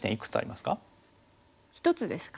１つですか。